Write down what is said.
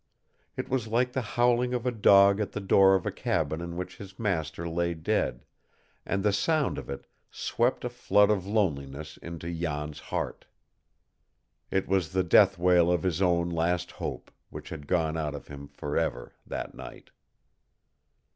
It was like the howling of a dog at the door of a cabin in which his master lay dead, and the sound of it swept a flood of loneliness into Jan's heart. It was the death wail of his own last hope, which had gone out of him for ever that night.